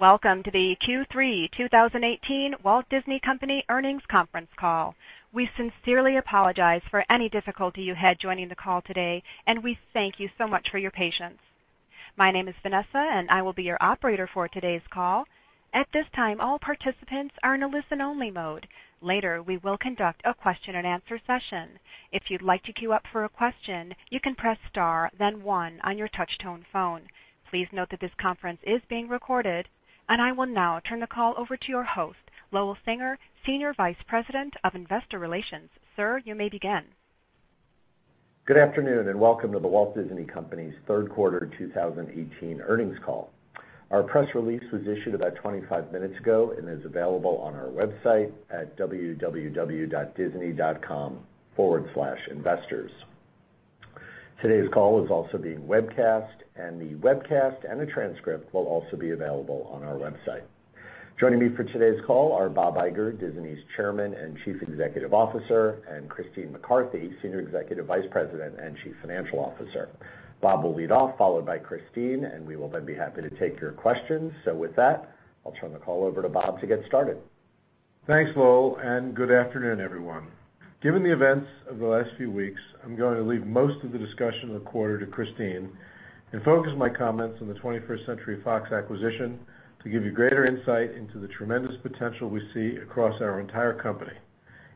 Welcome to the Q3 2018 The Walt Disney Company earnings conference call. We sincerely apologize for any difficulty you had joining the call today, and we thank you so much for your patience. My name is Vanessa, and I will be your operator for today's call. At this time, all participants are in a listen-only mode. Later, we will conduct a question and answer session. If you'd like to queue up for a question, you can press star then one on your touch-tone phone. Please note that this conference is being recorded. I will now turn the call over to your host, Lowell Singer, Senior Vice President of Investor Relations. Sir, you may begin. Good afternoon and welcome to The Walt Disney Company's third quarter 2018 earnings call. Our press release was issued about 25 minutes ago and is available on our website at www.disney.com/investors. Today's call is also being webcast. The webcast and the transcript will also be available on our website. Joining me for today's call are Bob Iger, Disney's Chairman and Chief Executive Officer, and Christine McCarthy, Senior Executive Vice President and Chief Financial Officer. Bob will lead off, followed by Christine. We will then be happy to take your questions. With that, I'll turn the call over to Bob to get started. Thanks, Lowell. Good afternoon, everyone. Given the events of the last few weeks, I'm going to leave most of the discussion of the quarter to Christine and focus my comments on the 21st Century Fox acquisition to give you greater insight into the tremendous potential we see across our entire company,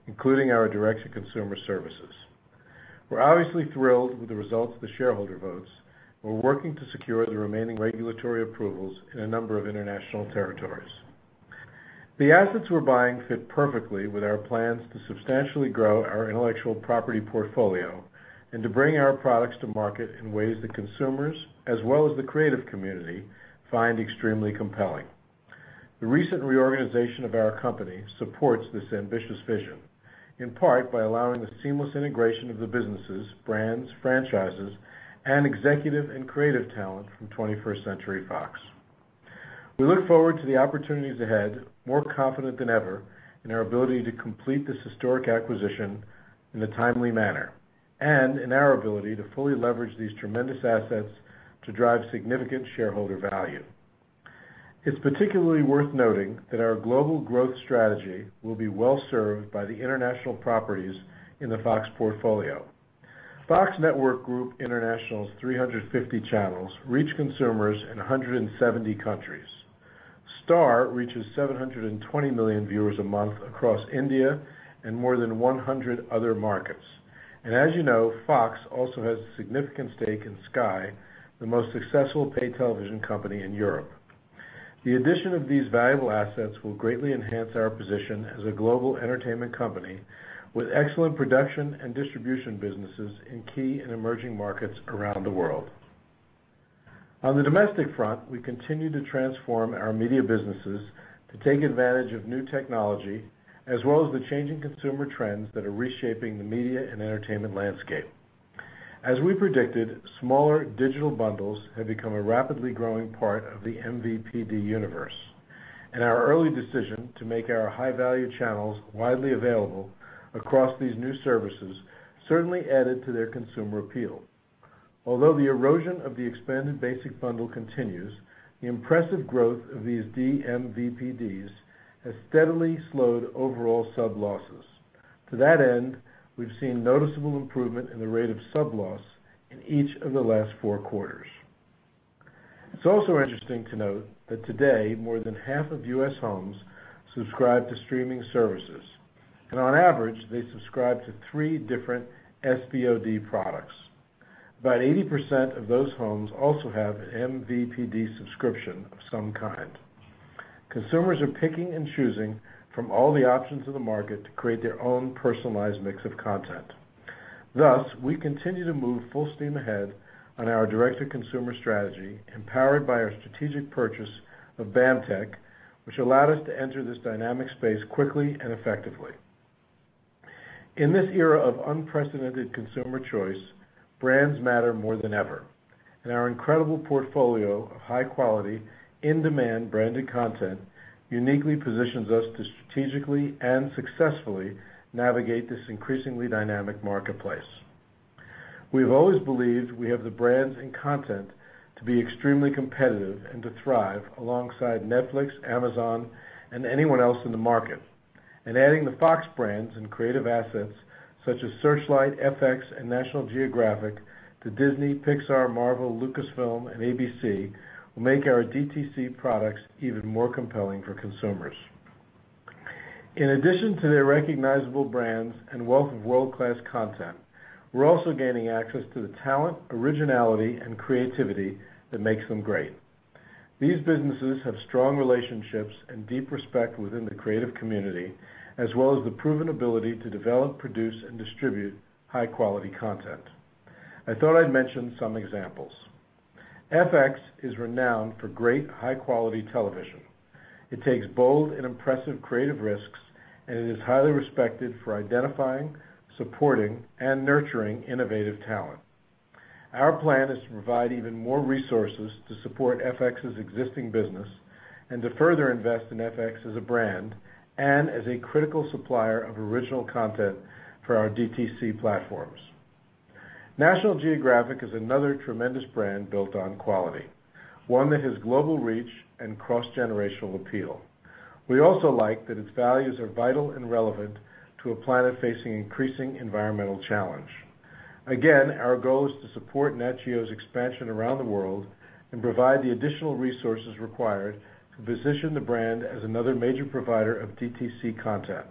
including our direct-to-consumer services. We're obviously thrilled with the results of the shareholder votes. We're working to secure the remaining regulatory approvals in a number of international territories. The assets we're buying fit perfectly with our plans to substantially grow our intellectual property portfolio and to bring our products to market in ways that consumers, as well as the creative community, find extremely compelling. The recent reorganization of our company supports this ambitious vision, in part by allowing the seamless integration of the businesses, brands, franchises, and executive and creative talent from 21st Century Fox. We look forward to the opportunities ahead, more confident than ever in our ability to complete this historic acquisition in a timely manner, and in our ability to fully leverage these tremendous assets to drive significant shareholder value. It's particularly worth noting that our global growth strategy will be well-served by the international properties in the Fox portfolio. Fox Networks Group International's 350 channels reach consumers in 170 countries. Star reaches 720 million viewers a month across India and more than 100 other markets. As you know, Fox also has a significant stake in Sky, the most successful paid television company in Europe. The addition of these valuable assets will greatly enhance our position as a global entertainment company with excellent production and distribution businesses in key and emerging markets around the world. On the domestic front, we continue to transform our media businesses to take advantage of new technology, as well as the changing consumer trends that are reshaping the media and entertainment landscape. As we predicted, smaller digital bundles have become a rapidly growing part of the MVPD universe, and our early decision to make our high-value channels widely available across these new services certainly added to their consumer appeal. Although the erosion of the expanded basic bundle continues, the impressive growth of these vMVPDs has steadily slowed overall sub losses. To that end, we've seen noticeable improvement in the rate of sub loss in each of the last 4 quarters. It's also interesting to note that today, more than half of U.S. homes subscribe to streaming services, and on average, they subscribe to 3 different SVOD products. About 80% of those homes also have an MVPD subscription of some kind. Consumers are picking and choosing from all the options in the market to create their own personalized mix of content. Thus, we continue to move full steam ahead on our direct-to-consumer strategy, empowered by our strategic purchase of BAMTech, which allowed us to enter this dynamic space quickly and effectively. In this era of unprecedented consumer choice, brands matter more than ever, and our incredible portfolio of high-quality, in-demand branded content uniquely positions us to strategically and successfully navigate this increasingly dynamic marketplace. We've always believed we have the brands and content to be extremely competitive and to thrive alongside Netflix, Amazon, and anyone else in the market. Adding the Fox brands and creative assets such as Searchlight, FX, and National Geographic to Disney, Pixar, Marvel, Lucasfilm, and ABC will make our DTC products even more compelling for consumers. In addition to their recognizable brands and wealth of world-class content, we're also gaining access to the talent, originality, and creativity that makes them great. These businesses have strong relationships and deep respect within the creative community, as well as the proven ability to develop, produce, and distribute high-quality content. I thought I'd mention some examples. FX is renowned for great high-quality television. It takes bold and impressive creative risks, it is highly respected for identifying, supporting, and nurturing innovative talent. Our plan is to provide even more resources to support FX's existing business and to further invest in FX as a brand and as a critical supplier of original content for our DTC platforms. National Geographic is another tremendous brand built on quality, one that has global reach and cross-generational appeal. We also like that its values are vital and relevant to a planet facing increasing environmental challenge. Again, our goal is to support Nat Geo's expansion around the world and provide the additional resources required to position the brand as another major provider of DTC content.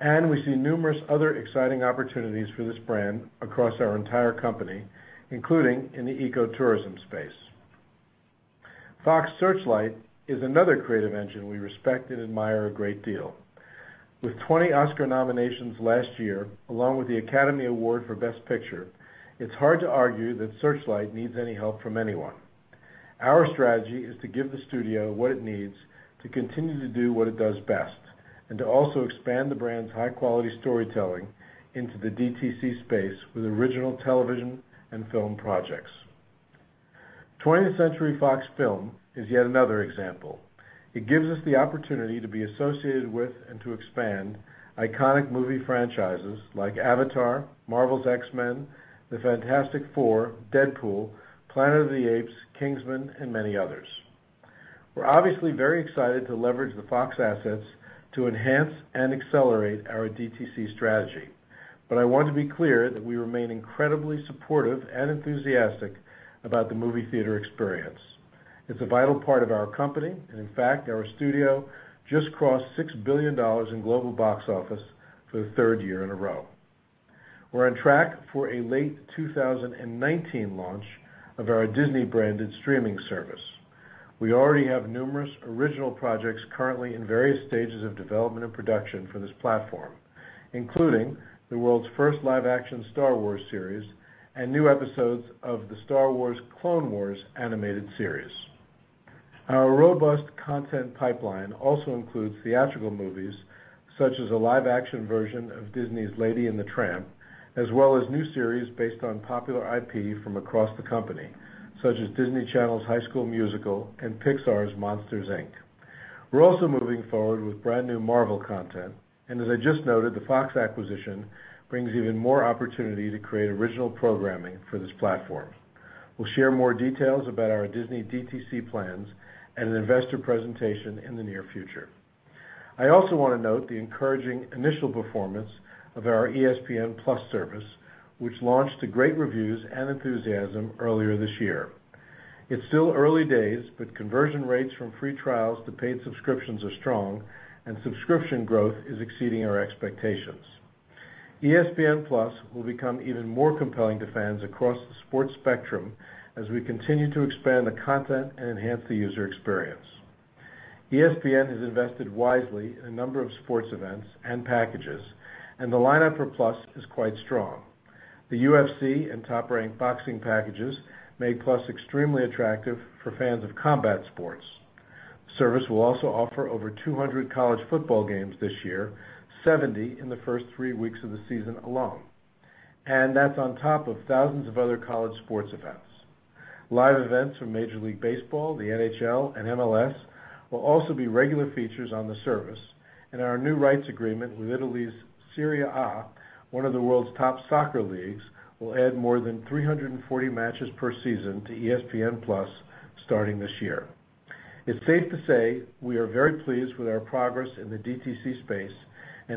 We see numerous other exciting opportunities for this brand across our entire company, including in the ecotourism space. Fox Searchlight is another creative engine we respect and admire a great deal. With 20 Oscar nominations last year, along with the Academy Award for Best Picture, it's hard to argue that Searchlight needs any help from anyone. Our strategy is to give the studio what it needs to continue to do what it does best, and to also expand the brand's high-quality storytelling into the DTC space with original television and film projects. 20th Century Fox Film is yet another example. It gives us the opportunity to be associated with and to expand iconic movie franchises like Avatar, Marvel's X-Men, the Fantastic Four, Deadpool, Planet of the Apes, Kingsman, and many others. We're obviously very excited to leverage the Fox assets to enhance and accelerate our DTC strategy. I want to be clear that we remain incredibly supportive and enthusiastic about the movie theater experience. It's a vital part of our company, and in fact, our studio just crossed $6 billion in global box office for the third year in a row. We're on track for a late 2019 launch of our Disney-branded streaming service. We already have numerous original projects currently in various stages of development and production for this platform, including the world's first live-action Star Wars series and new episodes of the Star Wars: Clone Wars animated series. Our robust content pipeline also includes theatrical movies such as a live-action version of Disney's Lady and the Tramp, as well as new series based on popular IP from across the company, such as Disney Channel's High School Musical and Pixar's Monsters, Inc. We're also moving forward with brand-new Marvel content. As I just noted, the Fox acquisition brings even more opportunity to create original programming for this platform. We'll share more details about our Disney DTC plans at an investor presentation in the near future. I also want to note the encouraging initial performance of our ESPN+ service, which launched to great reviews and enthusiasm earlier this year. It's still early days. Conversion rates from free trials to paid subscriptions are strong, and subscription growth is exceeding our expectations. ESPN+ will become even more compelling to fans across the sports spectrum as we continue to expand the content and enhance the user experience. ESPN has invested wisely in a number of sports events and packages, and the lineup for Plus is quite strong. The UFC and top-ranked boxing packages make Plus extremely attractive for fans of combat sports. The service will also offer over 200 college football games this year, 70 in the first three weeks of the season alone. That's on top of thousands of other college sports events. Live events from Major League Baseball, the NHL, and MLS will also be regular features on the service, and our new rights agreement with Italy's Serie A, one of the world's top soccer leagues, will add more than 340 matches per season to ESPN+ starting this year. It's safe to say we are very pleased with our progress in the DTC space.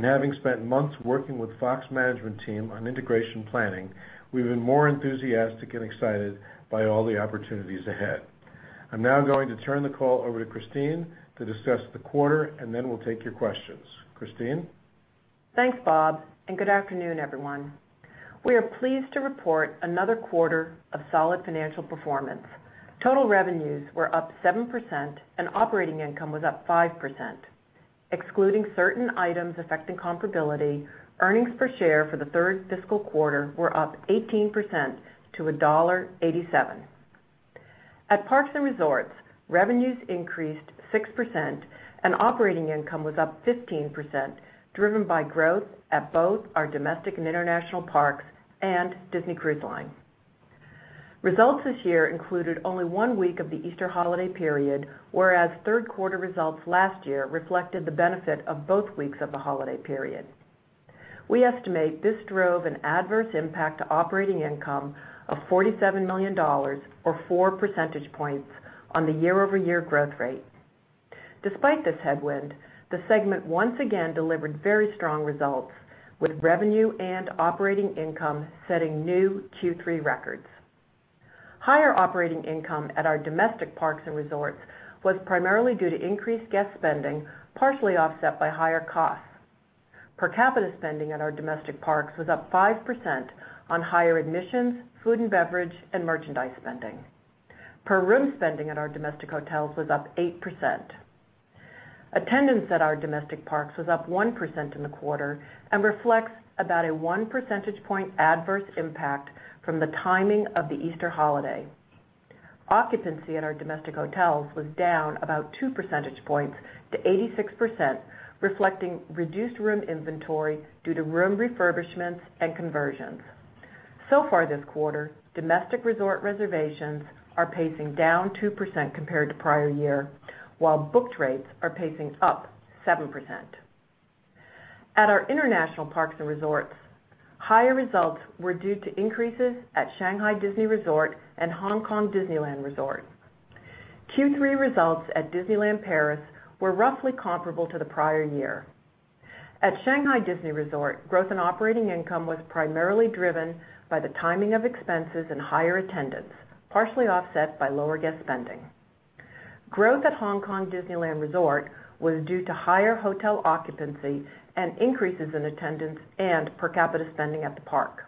Having spent months working with Fox management team on integration planning, we've been more enthusiastic and excited by all the opportunities ahead. I'm now going to turn the call over to Christine to discuss the quarter, and then we'll take your questions. Christine? Thanks, Bob, and good afternoon, everyone. We are pleased to report another quarter of solid financial performance. Total revenues were up 7% and operating income was up 5%. Excluding certain items affecting comparability, earnings per share for the third fiscal quarter were up 18% to $1.87. At Parks and Resorts, revenues increased 6% and operating income was up 15%, driven by growth at both our domestic and international parks and Disney Cruise Line. Results this year included only one week of the Easter holiday period, whereas third-quarter results last year reflected the benefit of both weeks of the holiday period. We estimate this drove an adverse impact to operating income of $47 million or four percentage points on the year-over-year growth rate. Despite this headwind, the segment once again delivered very strong results, with revenue and operating income setting new Q3 records. Higher operating income at our domestic parks and resorts was primarily due to increased guest spending, partially offset by higher costs. Per capita spending at our domestic parks was up 5% on higher admissions, food and beverage, and merchandise spending. Per room spending at our domestic hotels was up 8%. Attendance at our domestic parks was up 1% in the quarter and reflects about a one percentage point adverse impact from the timing of the Easter holiday. Occupancy at our domestic hotels was down about two percentage points to 86%, reflecting reduced room inventory due to room refurbishments and conversions. So far this quarter, domestic resort reservations are pacing down 2% compared to prior year, while booked rates are pacing up 7%. At our international parks and resorts, higher results were due to increases at Shanghai Disney Resort and Hong Kong Disneyland Resort. Q3 results at Disneyland Paris were roughly comparable to the prior year. At Shanghai Disney Resort, growth in operating income was primarily driven by the timing of expenses and higher attendance, partially offset by lower guest spending. Growth at Hong Kong Disneyland Resort was due to higher hotel occupancy and increases in attendance and per capita spending at the park.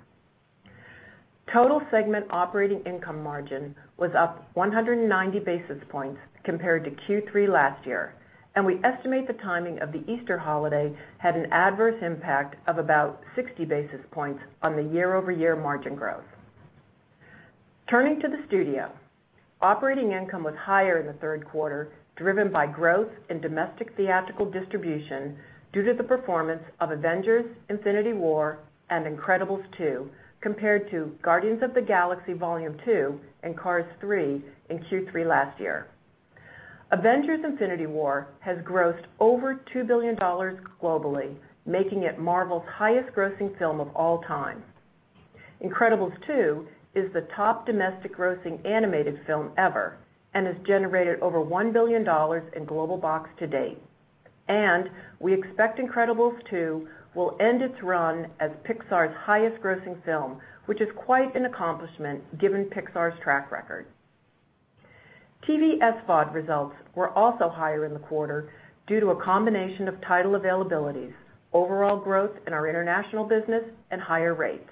Total segment operating income margin was up 190 basis points compared to Q3 last year, and we estimate the timing of the Easter holiday had an adverse impact of about 60 basis points on the year-over-year margin growth. Turning to the studio, operating income was higher in the third quarter, driven by growth in domestic theatrical distribution due to the performance of "Avengers: Infinity War" and "Incredibles 2," compared to "Guardians of the Galaxy Vol. 2" and "Cars 3" in Q3 last year. Avengers: Infinity War" has grossed over $2 billion globally, making it Marvel's highest-grossing film of all time. "Incredibles 2" is the top domestic grossing animated film ever and has generated over $1 billion in global box to date. We expect "Incredibles 2" will end its run as Pixar's highest-grossing film, which is quite an accomplishment given Pixar's track record. TV SVOD results were also higher in the quarter due to a combination of title availabilities, overall growth in our international business, and higher rates.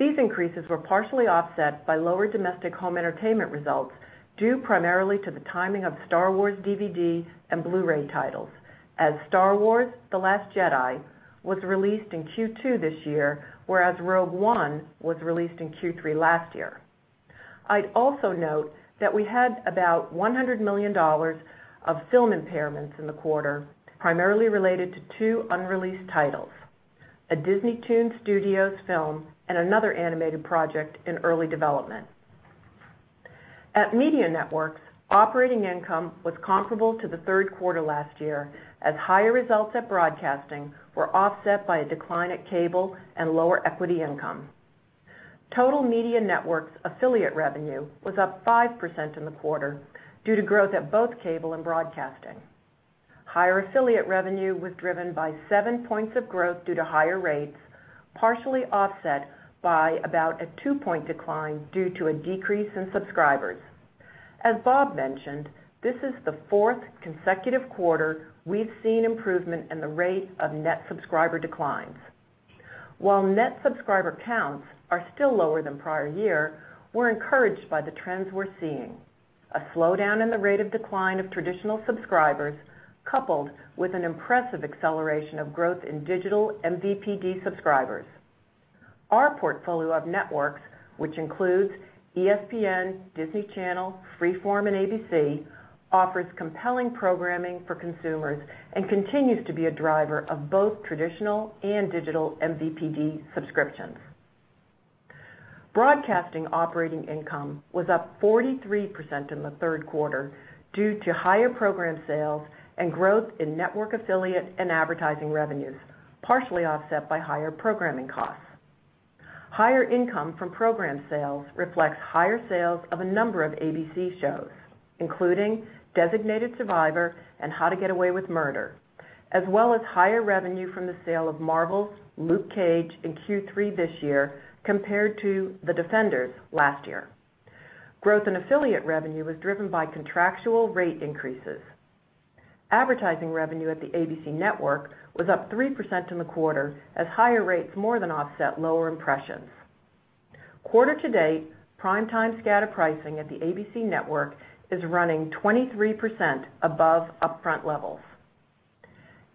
These increases were partially offset by lower domestic home entertainment results, due primarily to the timing of "Star Wars" DVD and Blu-ray titles, as "Star Wars: The Last Jedi" was released in Q2 this year, whereas "Rogue One" was released in Q3 last year. I'd also note that we had about $100 million of film impairments in the quarter, primarily related to two unreleased titles, a DisneyToon Studios film and another animated project in early development. At Media Networks, operating income was comparable to the third quarter last year, as higher results at broadcasting were offset by a decline at cable and lower equity income. Total Media Networks affiliate revenue was up 5% in the quarter due to growth at both cable and broadcasting. Higher affiliate revenue was driven by seven points of growth due to higher rates, partially offset by about a two-point decline due to a decrease in subscribers. As Bob mentioned, this is the fourth consecutive quarter we've seen improvement in the rate of net subscriber declines. While net subscriber counts are still lower than prior year, we're encouraged by the trends we're seeing. A slowdown in the rate of decline of traditional subscribers, coupled with an impressive acceleration of growth in digital MVPD subscribers. Our portfolio of networks, which includes ESPN, Disney Channel, Freeform, and ABC, offers compelling programming for consumers and continues to be a driver of both traditional and digital MVPD subscriptions. Broadcasting operating income was up 43% in the third quarter due to higher program sales and growth in network affiliate and advertising revenues, partially offset by higher programming costs. Higher income from program sales reflects higher sales of a number of ABC shows, including "Designated Survivor" and "How to Get Away with Murder," as well as higher revenue from the sale of Marvel's "Luke Cage" in Q3 this year compared to "The Defenders" last year. Growth in affiliate revenue was driven by contractual rate increases. Advertising revenue at the ABC Network was up 3% in the quarter as higher rates more than offset lower impressions. Quarter to date, prime time scatter pricing at the ABC Network is running 23% above upfront levels.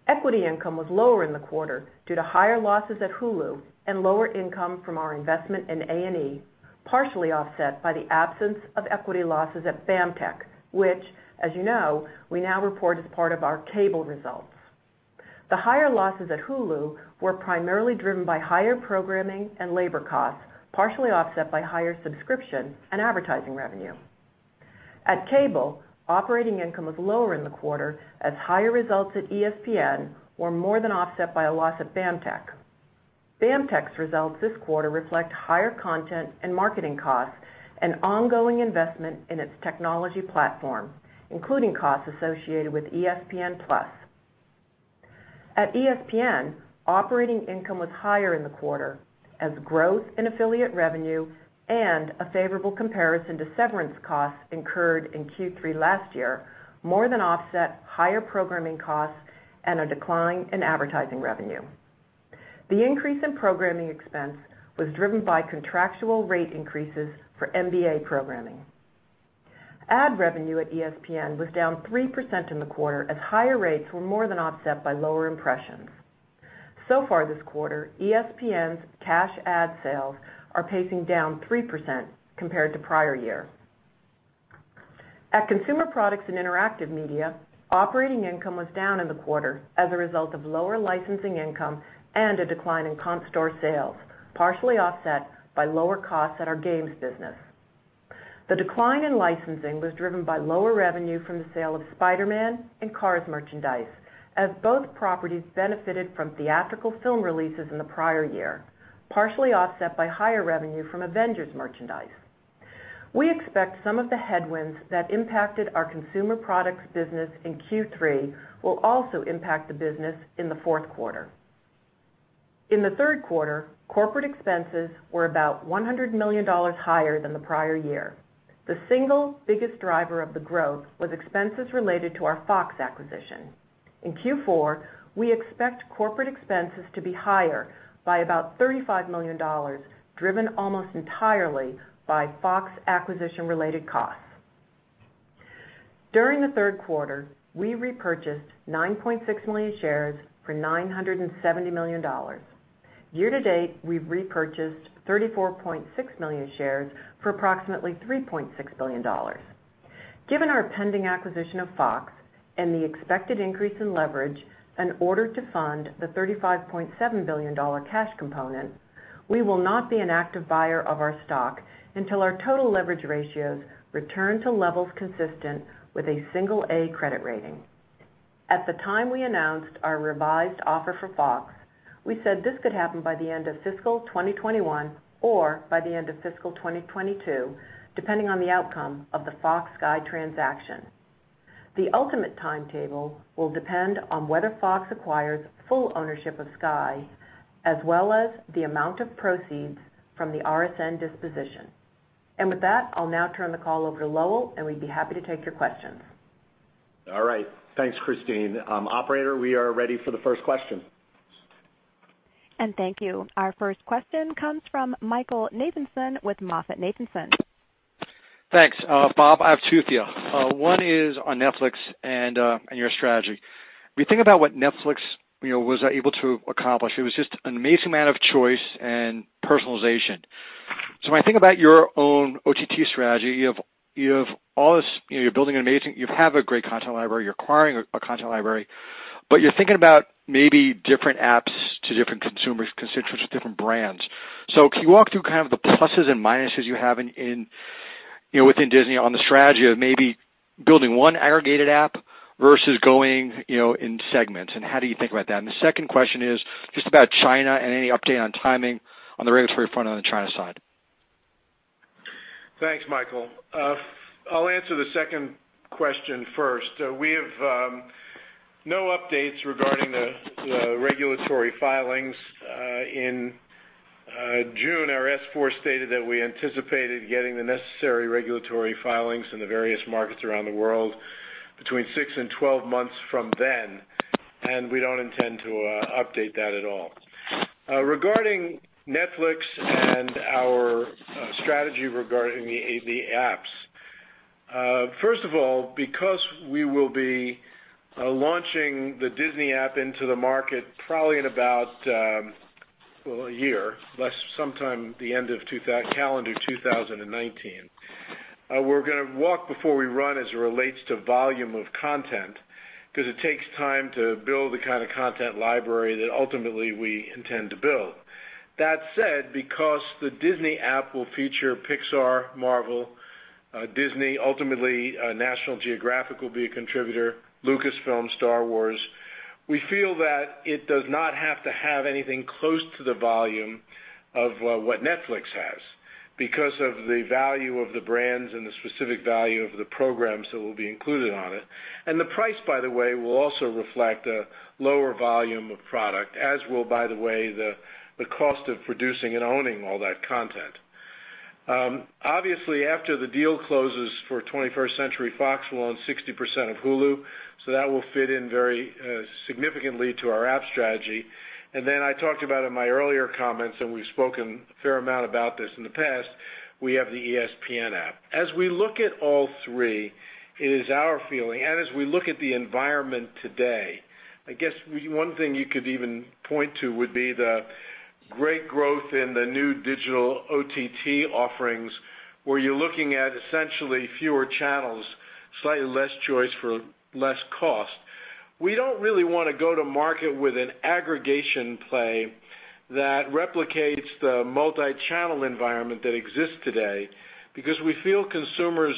Equity income was lower in the quarter due to higher losses at Hulu and lower income from our investment in A&E, partially offset by the absence of equity losses at BAMTech, which, as you know, we now report as part of our cable results. The higher losses at Hulu were primarily driven by higher programming and labor costs, partially offset by higher subscription and advertising revenue. At Cable, operating income was lower in the quarter as higher results at ESPN were more than offset by a loss at BAMTech. BAMTech's results this quarter reflect higher content and marketing costs and ongoing investment in its technology platform, including costs associated with ESPN+. At ESPN, operating income was higher in the quarter as growth in affiliate revenue and a favorable comparison to severance costs incurred in Q3 last year more than offset higher programming costs and a decline in advertising revenue. The increase in programming expense was driven by contractual rate increases for NBA programming. Ad revenue at ESPN was down 3% in the quarter as higher rates were more than offset by lower impressions. So far this quarter, ESPN's cash ad sales are pacing down 3% compared to prior year. At Consumer Products in Interactive Media, operating income was down in the quarter as a result of lower licensing income and a decline in comp store sales, partially offset by lower costs at our games business. The decline in licensing was driven by lower revenue from the sale of Spider-Man and Cars merchandise, as both properties benefited from theatrical film releases in the prior year, partially offset by higher revenue from Avengers merchandise. We expect some of the headwinds that impacted our consumer products business in Q3 will also impact the business in the fourth quarter. In the third quarter, corporate expenses were about $100 million higher than the prior year. The single biggest driver of the growth was expenses related to our Fox acquisition. In Q4, we expect corporate expenses to be higher by about $35 million, driven almost entirely by Fox acquisition-related costs. During the third quarter, we repurchased 9.6 million shares for $970 million. Year-to-date, we've repurchased 34.6 million shares for approximately $3.6 billion. Given our pending acquisition of Fox and the expected increase in leverage in order to fund the $35.7 billion cash component, we will not be an active buyer of our stock until our total leverage ratios return to levels consistent with a single A credit rating. At the time we announced our revised offer for Fox, we said this could happen by the end of fiscal 2021 or by the end of fiscal 2022, depending on the outcome of the Fox-Sky transaction. The ultimate timetable will depend on whether Fox acquires full ownership of Sky, as well as the amount of proceeds from the RSN disposition. With that, I'll now turn the call over to Lowell, and we'd be happy to take your questions. All right. Thanks, Christine. Operator, we are ready for the first question. Thank you. Our first question comes from Michael Nathanson with MoffettNathanson. Thanks. Bob, I have two for you. One is on Netflix and your strategy. We think about what Netflix was able to accomplish. It was just an amazing amount of choice and personalization. When I think about your own OTT strategy, you're building You have a great content library. You're acquiring a content library. You're thinking about maybe different apps to different consumers, constituents to different brands. Can you walk through the pluses and minuses you have within Disney on the strategy of maybe building one aggregated app versus going in segments, and how do you think about that? The second question is just about China and any update on timing on the regulatory front on the China side. Thanks, Michael. I'll answer the second question first. We have no updates regarding the regulatory filings. In June, our S-4 stated that we anticipated getting the necessary regulatory filings in the various markets around the world between six and 12 months from then, and we don't intend to update that at all. Regarding Netflix and our strategy regarding the apps. First of all, because we will be launching the Disney app into the market probably in about a year, sometime the end of calendar 2019. We're going to walk before we run as it relates to volume of content, because it takes time to build the kind of content library that ultimately we intend to build. That said, because the Disney app will feature Pixar, Marvel, Disney, ultimately National Geographic will be a contributor, Lucasfilm, Star Wars, we feel that it does not have to have anything close to the volume of what Netflix has because of the value of the brands and the specific value of the programs that will be included on it. The price, by the way, will also reflect a lower volume of product, as will, by the way, the cost of producing and owning all that content. Obviously, after the deal closes for 21st Century Fox will own 60% of Hulu, so that will fit in very significantly to our app strategy. I talked about in my earlier comments, and we've spoken a fair amount about this in the past, we have the ESPN app. As we look at all three, it is our feeling, and as we look at the environment today, I guess one thing you could even point to would be the great growth in the new digital OTT offerings, where you're looking at essentially fewer channels, slightly less choice for less cost. We don't really want to go to market with an aggregation play that replicates the multi-channel environment that exists today because we feel consumers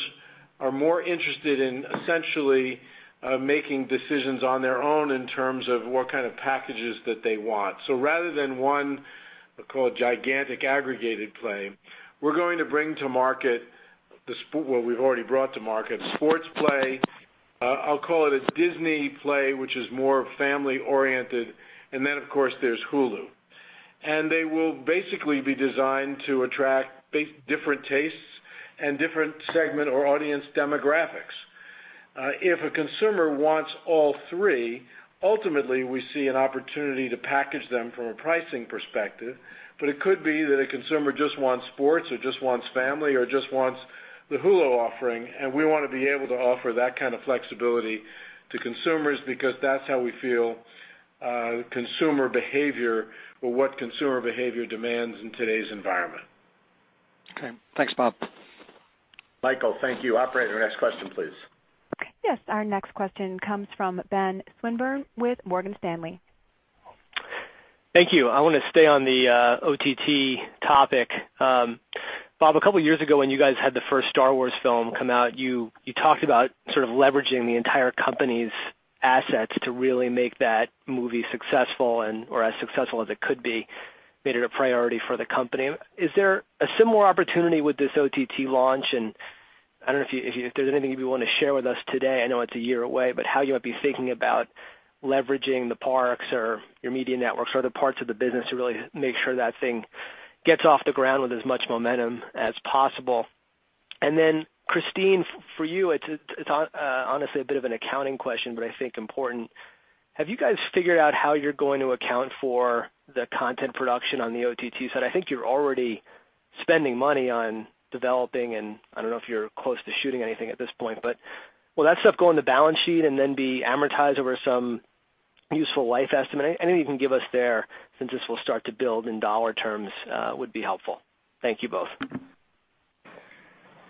are more interested in essentially making decisions on their own in terms of what kind of packages that they want. Rather than one, call it gigantic aggregated play, we're going to bring to market what we've already brought to market sports play. I'll call it a Disney play, which is more family oriented and then, of course, there's Hulu. They will basically be designed to attract different tastes and different segment or audience demographics. If a consumer wants all three, ultimately, we see an opportunity to package them from a pricing perspective, but it could be that a consumer just wants sports or just wants family or just wants the Hulu offering. We want to be able to offer that kind of flexibility to consumers because that's how we feel consumer behavior or what consumer behavior demands in today's environment. Okay. Thanks, Bob. Michael, thank you. Operator, next question, please. Our next question comes from Benjamin Swinburne with Morgan Stanley. Thank you. I want to stay on the OTT topic. Bob, a couple of years ago when you guys had the first Star Wars film come out, you talked about leveraging the entire company's assets to really make that movie successful or as successful as it could be, made it a priority for the company. Is there a similar opportunity with this OTT launch? I don't know if there's anything you want to share with us today, I know it's a year away, but how you might be thinking about leveraging the parks or your media networks or other parts of the business to really make sure that thing gets off the ground with as much momentum as possible. Christine, for you, it's honestly a bit of an accounting question, but I think important. Have you guys figured out how you're going to account for the content production on the OTT side? I think you're already spending money on developing and I don't know if you're close to shooting anything at this point, but will that stuff go on the balance sheet and then be amortized over some useful life estimate? Anything you can give us there since this will start to build in dollar terms would be helpful. Thank you both.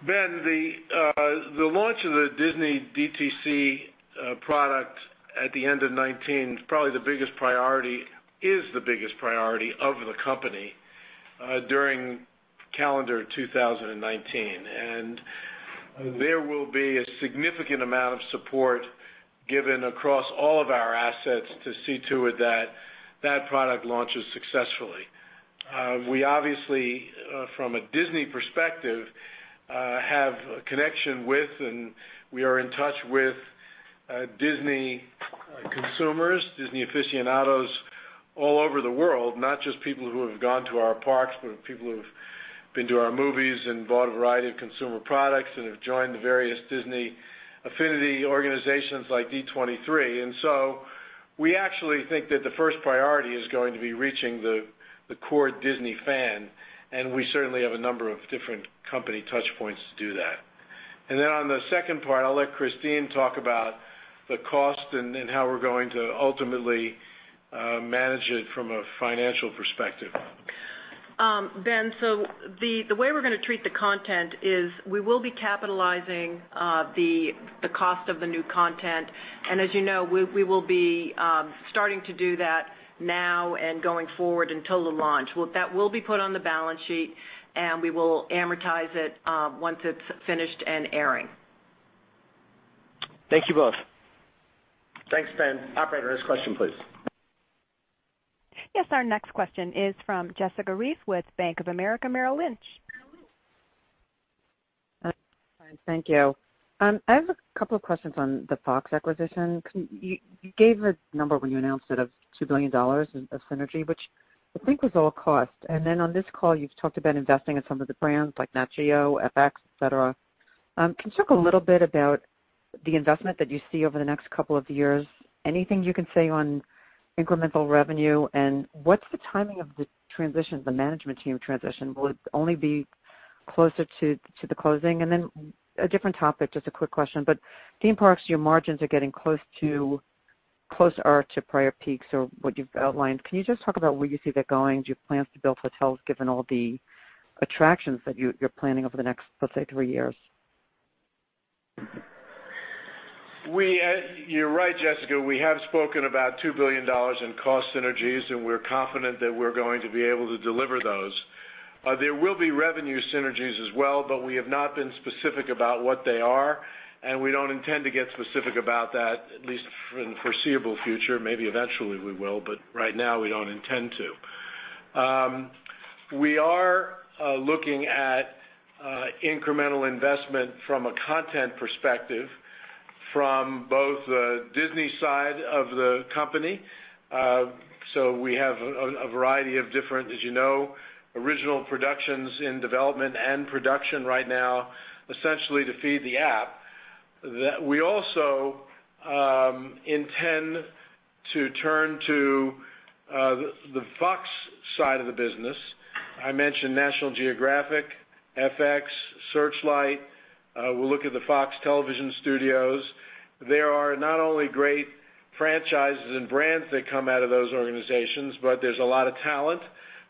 Ben, the launch of the Disney DTC product at the end of 2019 is the biggest priority of the company during calendar 2019. There will be a significant amount of support given across all of our assets to see to it that that product launches successfully. We obviously, from a Disney perspective, have a connection with and we are in touch with Disney consumers, Disney aficionados all over the world, not just people who have gone to our parks, but people who've been to our movies and bought a variety of consumer products and have joined the various Disney affinity organizations like D23. We actually think that the first priority is going to be reaching the core Disney fan, and we certainly have a number of different company touch points to do that. On the second part, I'll let Christine talk about the cost and how we're going to ultimately manage it from a financial perspective. Ben, the way we're going to treat the content is we will be capitalizing the cost of the new content. As you know, we will be starting to do that now and going forward until the launch. That will be put on the balance sheet, and we will amortize it once it's finished and airing. Thank you both. Thanks, Ben. Operator, next question, please. Our next question is from Jessica Reif with Bank of America Merrill Lynch. Thank you. I have a couple of questions on the Fox acquisition. You gave a number when you announced it of $2 billion of synergy, which I think was all cost. On this call, you've talked about investing in some of the brands like Nat Geo, FX, et cetera. Can you talk a little bit about the investment that you see over the next couple of years? Anything you can say on incremental revenue, what's the timing of the management team transition? Will it only be closer to the closing? A different topic, just a quick question, theme parks, your margins are getting close to prior peaks or what you've outlined. Can you just talk about where you see that going? Do you plan to build hotels given all the attractions that you're planning over the next, let's say, three years? You're right, Jessica. We have spoken about $2 billion in cost synergies. We're confident that we're going to be able to deliver those. There will be revenue synergies as well. We have not been specific about what they are. We don't intend to get specific about that, at least in the foreseeable future. Maybe eventually we will. Right now we don't intend to. We are looking at incremental investment from a content perspective from both the Disney side of the company. We have a variety of different, as you know, original productions in development and production right now, essentially to feed the app. We also intend to turn to the Fox side of the business. I mentioned National Geographic, FX, Searchlight. We'll look at the Fox television studios. There are not only great franchises and brands that come out of those organizations. There's a lot of talent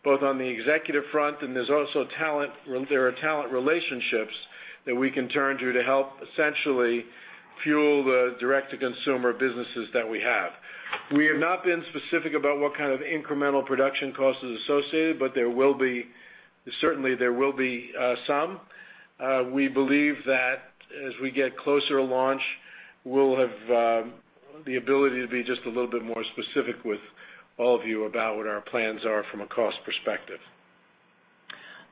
both on the executive front. There are talent relationships that we can turn to help essentially fuel the direct-to-consumer businesses that we have. We have not been specific about what kind of incremental production cost is associated. Certainly there will be some. We believe that as we get closer to launch, we'll have the ability to be just a little bit more specific with all of you about what our plans are from a cost perspective.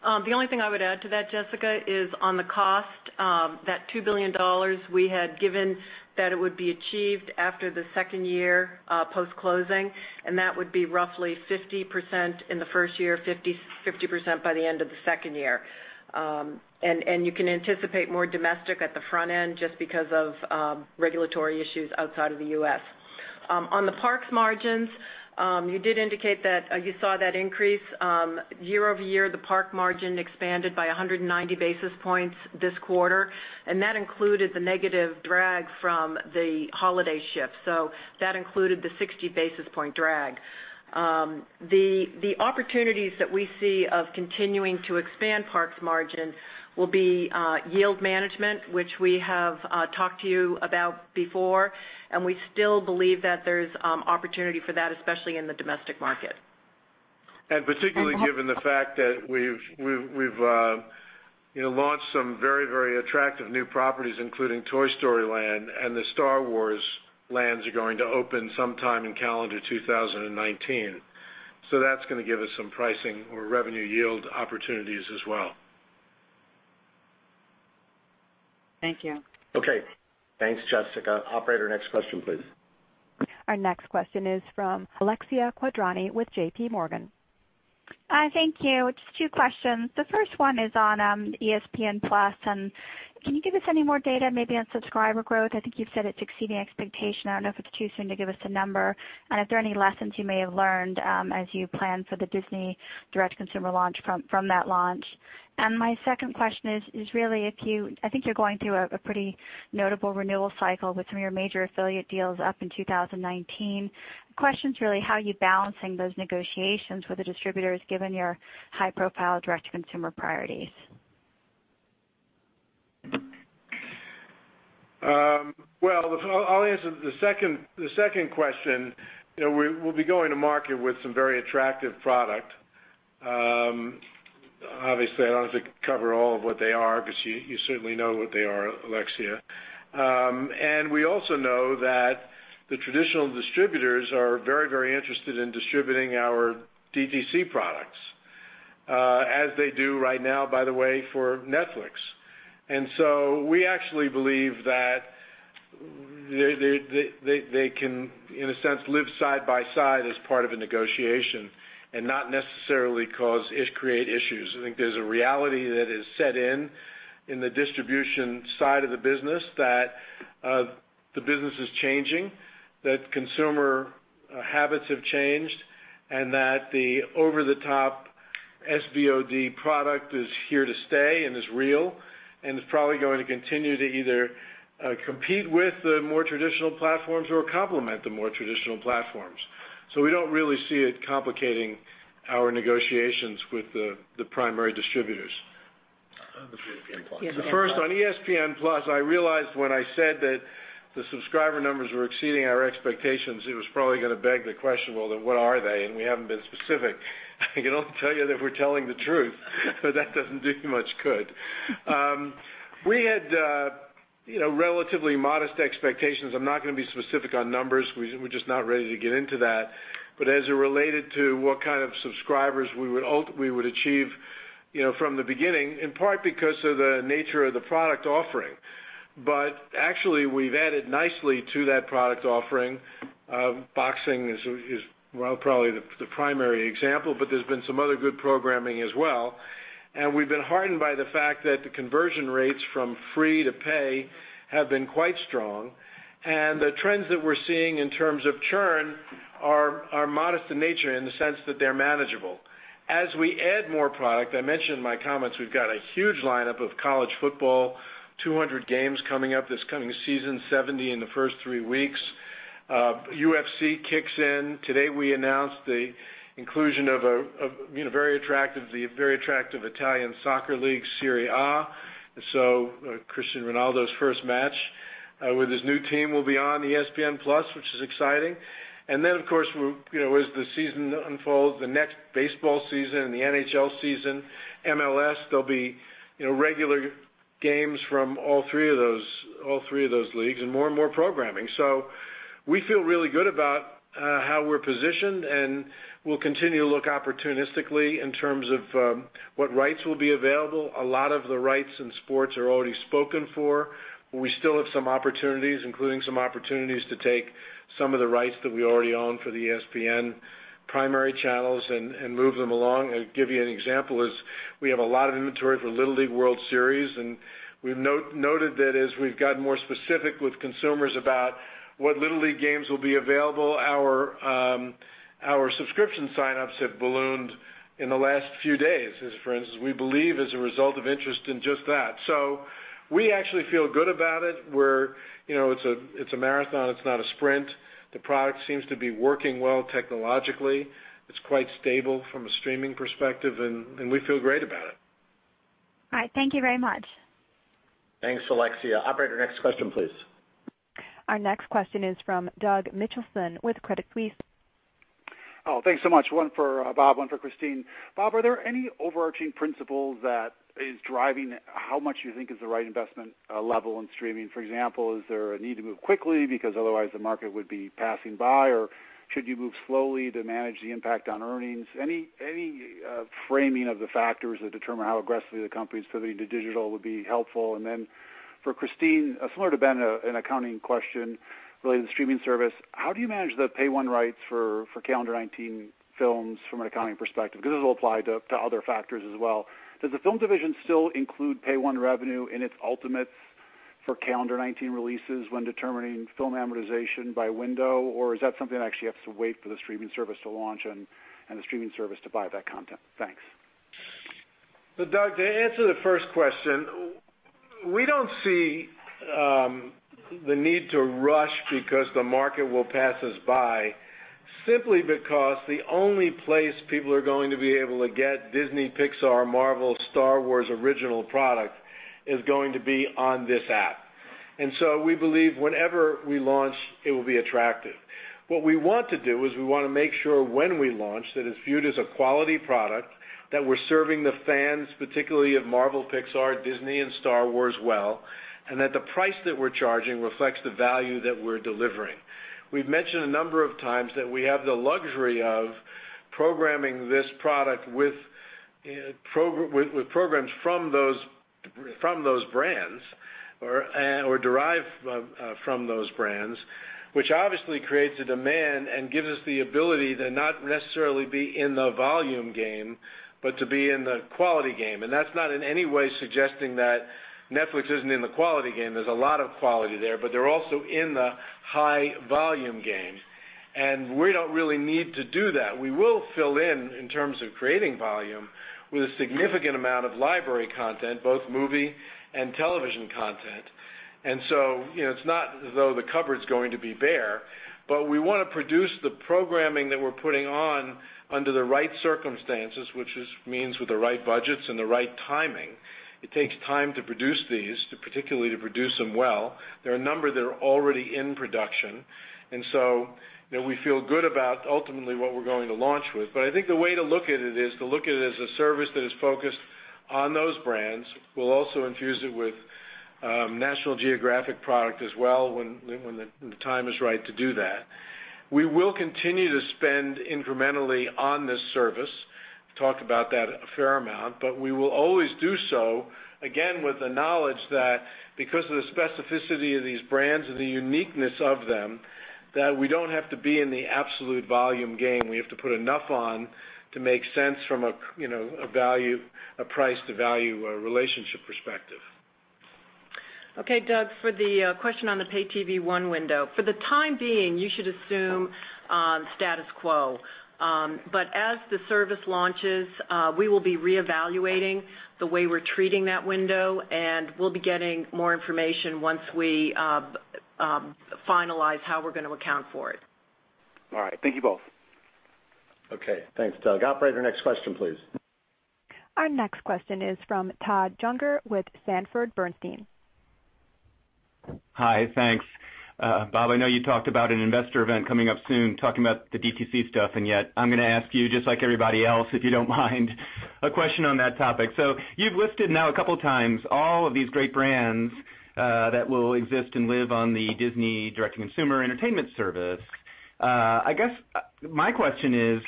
The only thing I would add to that, Jessica, is on the cost. That $2 billion we had given that it would be achieved after the second year post-closing. That would be roughly 50% in the first year, 50% by the end of the second year. You can anticipate more domestic at the front end just because of regulatory issues outside of the U.S. On the parks margins, you did indicate that you saw that increase. Year-over-year, the park margin expanded by 190 basis points this quarter. That included the negative drag from the holiday shift. That included the 60 basis point drag. The opportunities that we see of continuing to expand parks margin will be yield management, which we have talked to you about before. We still believe that there's opportunity for that, especially in the domestic market. Particularly given the fact that we've launched some very attractive new properties, including Toy Story Land, and the Star Wars lands are going to open sometime in calendar 2019. That's going to give us some pricing or revenue yield opportunities as well. Thank you. Okay. Thanks, Jessica. Operator, next question, please. Our next question is from Alexia Quadrani with J.P. Morgan. Hi, thank you. Just two questions. The first one is on ESPN+. Can you give us any more data maybe on subscriber growth? I think you've said it's exceeding expectation. I don't know if it's too soon to give us a number. If there are any lessons you may have learned, as you plan for the Disney direct consumer launch from that launch. My second question is really, I think you're going through a pretty notable renewal cycle with some of your major affiliate deals up in 2019. The question's really how are you balancing those negotiations with the distributors given your high-profile direct consumer priorities? Well, I'll answer the second question. We'll be going to market with some very attractive product. Obviously, I don't have to cover all of what they are because you certainly know what they are, Alexia. We also know that the traditional distributors are very interested in distributing our DTC products, as they do right now, by the way, for Netflix. We actually believe that they can, in a sense, live side by side as part of a negotiation and not necessarily create issues. I think there's a reality that has set in the distribution side of the business that the business is changing, that consumer habits have changed, that the over-the-top SVOD product is here to stay and is real, and is probably going to continue to either compete with the more traditional platforms or complement the more traditional platforms. We don't really see it complicating our negotiations with the primary distributors. On the ESPN+. The first on ESPN+, I realized when I said that the subscriber numbers were exceeding our expectations, it was probably going to beg the question, what are they? We haven't been specific. I can only tell you that we're telling the truth, but that doesn't do much good. We had relatively modest expectations. I'm not going to be specific on numbers. We're just not ready to get into that. As it related to what kind of subscribers we would achieve from the beginning, in part because of the nature of the product offering. Actually, we've added nicely to that product offering. Boxing is probably the primary example, but there's been some other good programming as well. We've been heartened by the fact that the conversion rates from free to pay have been quite strong, and the trends that we're seeing in terms of churn are modest in nature in the sense that they're manageable. As we add more product, I mentioned in my comments we've got a huge lineup of college football, 200 games coming up this coming season, 70 in the first three weeks. UFC kicks in. Today we announced the inclusion of the very attractive Italian soccer league, Serie A. Cristiano Ronaldo's first match with his new team will be on ESPN+, which is exciting. Of course, as the season unfolds, the next baseball season and the NHL season, MLS, there'll be regular games from all three of those leagues and more and more programming. We feel really good about how we're positioned, and we'll continue to look opportunistically in terms of what rights will be available. A lot of the rights in sports are already spoken for. We still have some opportunities, including some opportunities to take some of the rights that we already own for the ESPN primary channels and move them along. I'll give you an example is we have a lot of inventory for Little League World Series, and we've noted that as we've gotten more specific with consumers about what Little League games will be available, our subscription sign-ups have ballooned in the last few days, for instance, we believe as a result of interest in just that. We actually feel good about it. It's a marathon. It's not a sprint. The product seems to be working well technologically. It's quite stable from a streaming perspective, and we feel great about it. All right. Thank you very much. Thanks, Alexia. Operator, next question, please. Our next question is from Douglas Mitchelson with Credit Suisse. Oh, thanks so much. One for Bob, one for Christine. Bob, are there any overarching principles that is driving how much you think is the right investment level in streaming? For example, is there a need to move quickly because otherwise the market would be passing by? Or should you move slowly to manage the impact on earnings? Any framing of the factors that determine how aggressively the company's pivoting to digital would be helpful. Then for Christine, similar to Ben, an accounting question related to the streaming service. How do you manage the pay one rights for calendar 2019 films from an accounting perspective? Because this will apply to other factors as well. Does the film division still include pay one revenue in its ultimates for calendar 2019 releases when determining film amortization by window, or is that something that actually has to wait for the streaming service to launch and the streaming service to buy that content? Thanks. Doug, to answer the first question, we don't see the need to rush because the market will pass us by simply because the only place people are going to be able to get Disney, Pixar, Marvel, Star Wars original product is going to be on this app. We believe whenever we launch, it will be attractive. What we want to do is we want to make sure when we launch that it's viewed as a quality product, that we're serving the fans, particularly of Marvel, Pixar, Disney, and Star Wars well, and that the price that we're charging reflects the value that we're delivering. We've mentioned a number of times that we have the luxury of programming this product with programs from those brands or derived from those brands, which obviously creates a demand and gives us the ability to not necessarily be in the volume game, but to be in the quality game. That's not in any way suggesting that Netflix isn't in the quality game. There's a lot of quality there, but they're also in the high volume game. We don't really need to do that. We will fill in terms of creating volume, with a significant amount of library content, both movie and television content. It's not as though the cupboard's going to be bare, but we want to produce the programming that we're putting on under the right circumstances, which means with the right budgets and the right timing. It takes time to produce these, particularly to produce them well. There are a number that are already in production. We feel good about ultimately what we're going to launch with. I think the way to look at it is to look at it as a service that is focused on those brands. We'll also infuse it with National Geographic product as well when the time is right to do that. We will continue to spend incrementally on this service. Talked about that a fair amount, but we will always do so, again, with the knowledge that because of the specificity of these brands and the uniqueness of them, that we don't have to be in the absolute volume game. We have to put enough on to make sense from a price to value relationship perspective. Okay, Doug, for the question on the pay-TV one window. For the time being, you should assume status quo. As the service launches, we will be reevaluating the way we're treating that window, and we'll be getting more information once we finalize how we're going to account for it. All right. Thank you both. Okay. Thanks, Doug. Operator, next question, please. Our next question is from Todd Juenger with Sanford C. Bernstein. Hi. Thanks. Bob, I know you talked about an investor event coming up soon, talking about the DTC stuff, yet I'm going to ask you, just like everybody else, if you don't mind, a question on that topic. You've listed now a couple of times all of these great brands that will exist and live on the Disney direct-to-consumer entertainment service. I guess my question is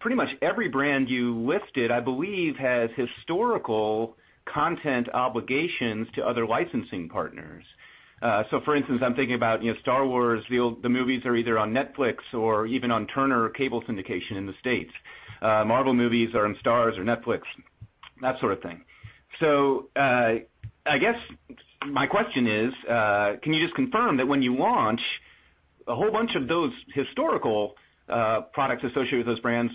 pretty much every brand you listed I believe has historical content obligations to other licensing partners. For instance, I'm thinking about Star Wars, the movies are either on Netflix or even on Turner cable syndication in the U.S. Marvel movies are on Starz or Netflix, that sort of thing. I guess my question is can you just confirm that when you launch a whole bunch of those historical products associated with those brands,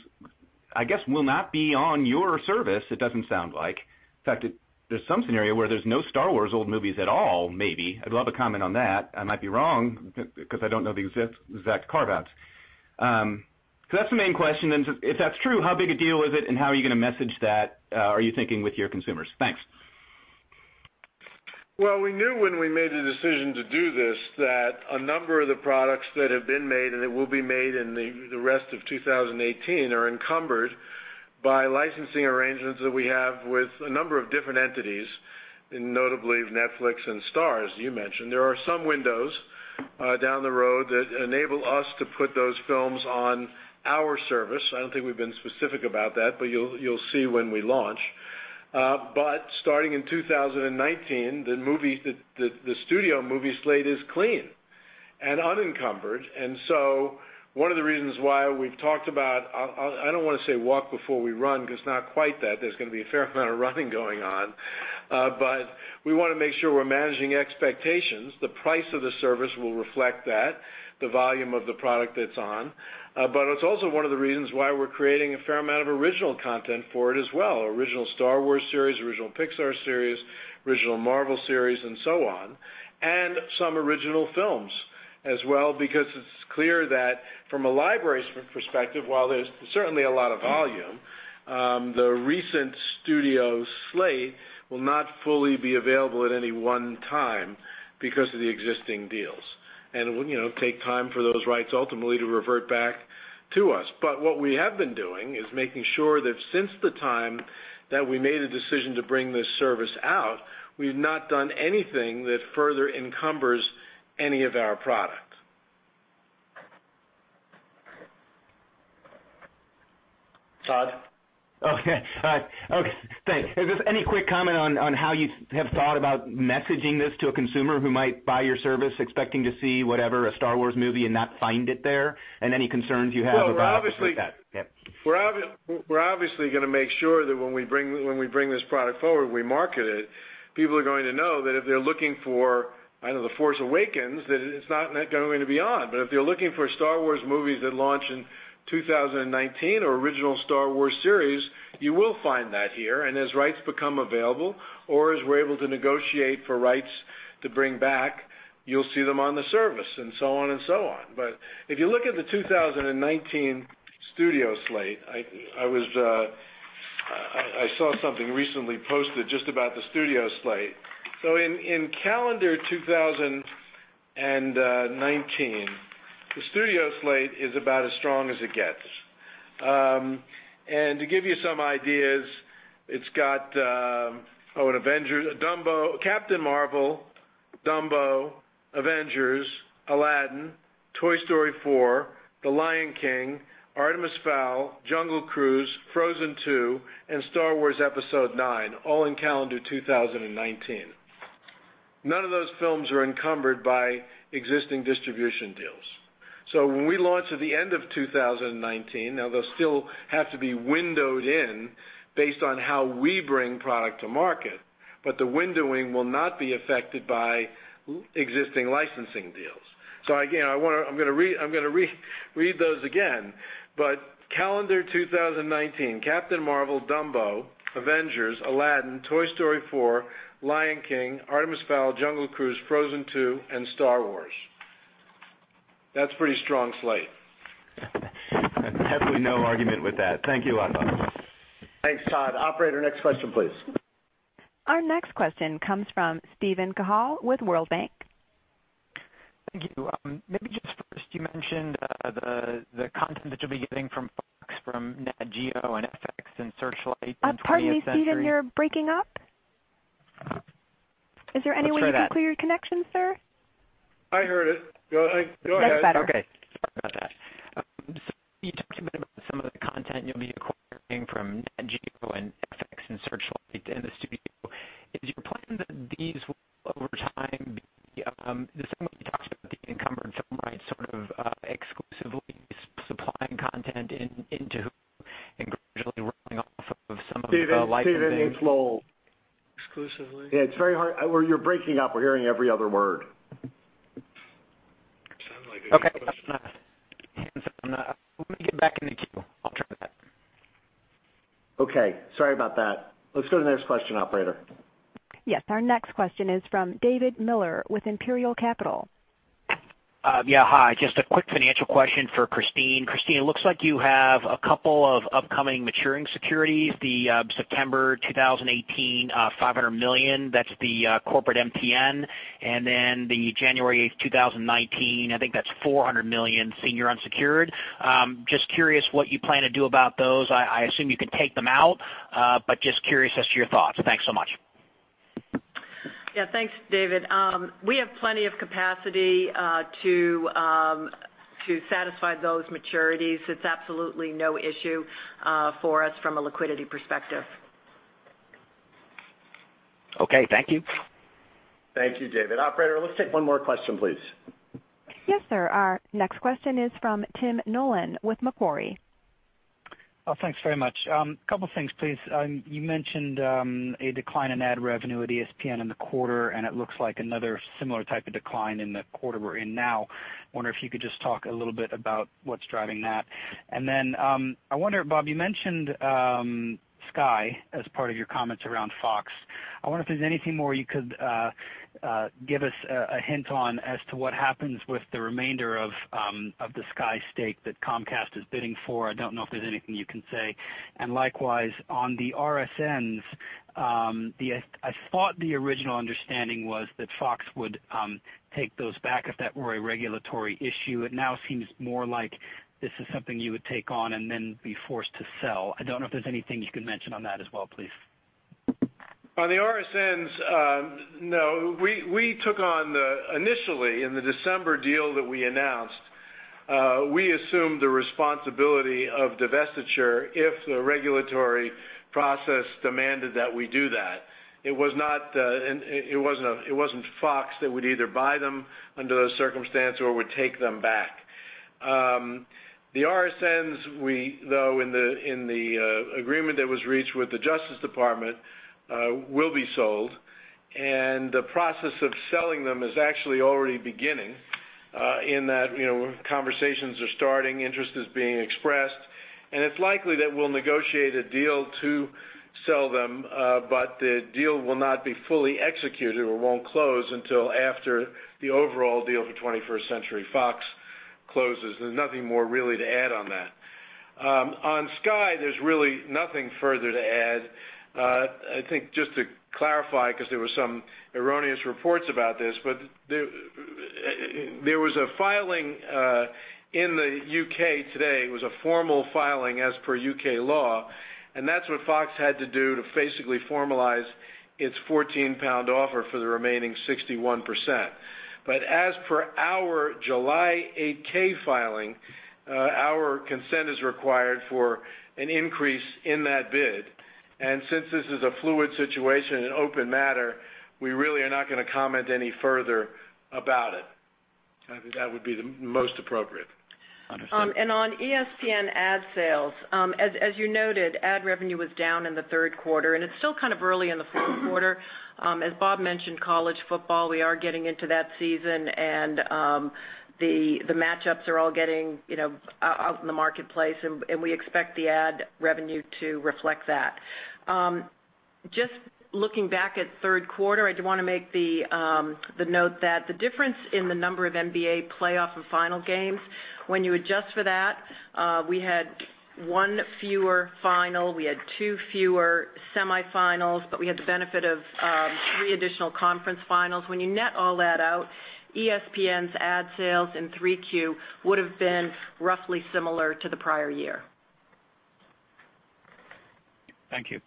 I guess will not be on your service, it doesn't sound like. In fact, there's some scenario where there's no Star Wars old movies at all, maybe. I'd love a comment on that. I might be wrong because I don't know the exact carve-outs. That's the main question. If that's true, how big a deal is it and how are you going to message that, are you thinking with your consumers? Thanks. Well, we knew when we made the decision to do this that a number of the products that have been made and that will be made in the rest of 2018 are encumbered by licensing arrangements that we have with a number of different entities, notably Netflix and Starz you mentioned. There are some windows down the road that enable us to put those films on our service. I don't think we've been specific about that, you'll see when we launch. Starting in 2019, the studio movie slate is clean and unencumbered. One of the reasons why we've talked about, I don't want to say walk before we run because it's not quite that. There's going to be a fair amount of running going on. We want to make sure we're managing expectations. The price of the service will reflect that, the volume of the product that's on. It's also one of the reasons why we're creating a fair amount of original content for it as well. Original Star Wars series, original Pixar series, original Marvel series and so on, and some original films as well because it's clear that from a library perspective, while there's certainly a lot of volume, the recent studio slate will not fully be available at any one time because of the existing deals. It will take time for those rights ultimately to revert back to us. What we have been doing is making sure that since the time that we made a decision to bring this service out, we've not done anything that further encumbers any of our products. Todd? Okay. Thanks. Just any quick comment on how you have thought about messaging this to a consumer who might buy your service expecting to see whatever a Star Wars movie and not find it there? Any concerns you have about a message like that? Yeah. We're obviously going to make sure that when we bring this product forward, we market it. People are going to know that if they're looking for, I know, Star Wars: The Force Awakens that it's not going to be on. If they're looking for Star Wars movies that launch in 2019 or original Star Wars series, you will find that here. As rights become available or as we're able to negotiate for rights to bring back, you'll see them on the service and so on and so on. If you look at the 2019 studio slate, I saw something recently posted just about the studio slate. In calendar 2019, the studio slate is about as strong as it gets. To give you some ideas, it's got Captain Marvel, Dumbo, Avengers, Aladdin, Toy Story 4, The Lion King, Artemis Fowl, Jungle Cruise, Frozen II, and Star Wars: Episode IX, all in calendar 2019. None of those films are encumbered by existing distribution deals. When we launch at the end of 2019, now they'll still have to be windowed in based on how we bring product to market, but the windowing will not be affected by existing licensing deals. Again, I'm going to read those again, but calendar 2019, Captain Marvel, Dumbo, Avengers, Aladdin, Toy Story 4, The Lion King, Artemis Fowl, Jungle Cruise, Frozen II, and Star Wars. That's a pretty strong slate. Definitely no argument with that. Thank you a lot, Bob. Thanks, Todd. Operator, next question, please. Our next question comes from Steven Cahall with RBC Capital Markets. Thank you. Maybe just first, you mentioned the content that you'll be getting from Fox, from Nat Geo and FX and Searchlight and 20th Century. Pardon me, Steven, you're breaking up. Is there any way? Let's try that You can clear your connection, sir? I heard it. Go ahead. That's better. Okay. Sorry about that. You talked a bit about some of the content you'll be acquiring from Nat Geo and FX and Searchlight and the studio. Is your plan that these will, over time, be the same way you talked about the encumbered film rights sort of exclusively supplying content into Hulu and gradually rolling off of some of the licensing- Steven, it's a little old. Exclusively? Yeah, it's very hard. Well, you're breaking up. We're hearing every other word. Sounds like a good question. Let me get back in the queue. I'll try that. Okay. Sorry about that. Let's go to the next question, operator. Our next question is from David Miller with Imperial Capital. Hi. Just a quick financial question for Christine. Christine, it looks like you have a couple of upcoming maturing securities. The September 2018 $500 million, that's the corporate MTN, and then the January 2019, I think that's $400 million senior unsecured. Just curious what you plan to do about those. I assume you can take them out, but just curious as to your thoughts. Thanks so much. Thanks, David. We have plenty of capacity to satisfy those maturities. It's absolutely no issue for us from a liquidity perspective. Okay. Thank you. Thank you, David. Operator, let's take one more question, please. Yes, sir. Our next question is from Tim Nollen with Macquarie. Thanks very much. Couple things, please. You mentioned a decline in ad revenue at ESPN in the quarter, and it looks like another similar type of decline in the quarter we're in now. Wonder if you could just talk a little bit about what's driving that. Then I wonder, Bob, you mentioned Sky as part of your comments around Fox. I wonder if there's anything more you could give us a hint on as to what happens with the remainder of the Sky stake that Comcast is bidding for. I don't know if there's anything you can say. Likewise, on the RSNs, I thought the original understanding was that Fox would take those back if that were a regulatory issue. It now seems more like this is something you would take on and then be forced to sell. I don't know if there's anything you can mention on that as well, please. On the RSNs, no. We took on initially in the December deal that we announced, we assumed the responsibility of divestiture if the regulatory process demanded that we do that. It wasn't Fox that would either buy them under those circumstances or would take them back. The RSNs, though, in the agreement that was reached with the Justice Department, will be sold. The process of selling them is actually already beginning in that conversations are starting, interest is being expressed, and it's likely that we'll negotiate a deal to sell them, but the deal will not be fully executed or won't close until after the overall deal for 21st Century Fox closes. There's nothing more really to add on that. On Sky, there's really nothing further to add. I think just to clarify, because there were some erroneous reports about this, there was a filing in the U.K. today. It was a formal filing as per U.K. law, and that's what Fox had to do to basically formalize its 14 pound offer for the remaining 61%. As per our July 8-K filing, our consent is required for an increase in that bid. Since this is a fluid situation, an open matter, we really are not going to comment any further about it. I think that would be the most appropriate. Understood. On ESPN ad sales, as you noted, ad revenue was down in the third quarter, and it's still kind of early in the fourth quarter. As Bob mentioned, college football, we are getting into that season, and the matchups are all getting out in the marketplace, and we expect the ad revenue to reflect that. Just looking back at third quarter, I do want to make the note that the difference in the number of NBA playoff and final games, when you adjust for that, we had one fewer final, we had two fewer semifinals, but we had the benefit of three additional conference finals. When you net all that out, ESPN's ad sales in 3Q would've been roughly similar to the prior year. Thank you.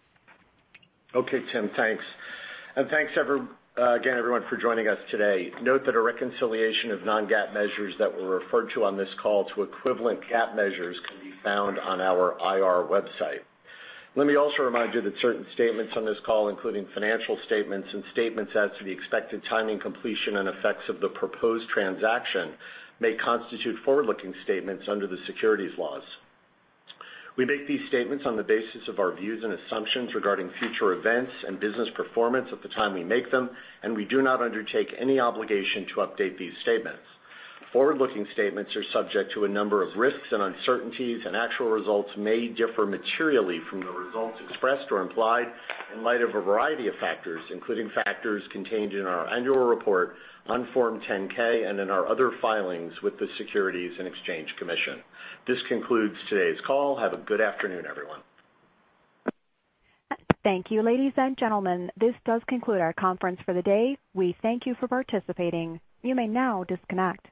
Okay, Tim. Thanks. Thanks again everyone for joining us today. Note that a reconciliation of non-GAAP measures that were referred to on this call to equivalent GAAP measures can be found on our IR website. Let me also remind you that certain statements on this call, including financial statements and statements as to the expected timing, completion, and effects of the proposed transaction, may constitute forward-looking statements under the securities laws. We make these statements on the basis of our views and assumptions regarding future events and business performance at the time we make them, and we do not undertake any obligation to update these statements. Forward-looking statements are subject to a number of risks and uncertainties, and actual results may differ materially from the results expressed or implied in light of a variety of factors, including factors contained in our annual report on Form 10-K and in our other filings with the Securities and Exchange Commission. This concludes today's call. Have a good afternoon, everyone. Thank you, ladies and gentlemen. This does conclude our conference for the day. We thank you for participating. You may now disconnect.